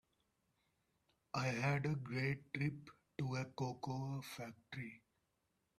I had a great trip to a cocoa factory.